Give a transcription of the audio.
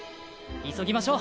急ぎましょう。